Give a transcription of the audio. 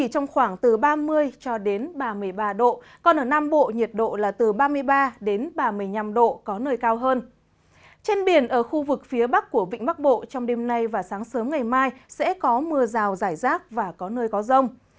trên biển ở khu vực phía bắc của vịnh bắc bộ trong đêm nay và sáng sớm ngày mai sẽ có mưa rào rải rác và có nơi có rông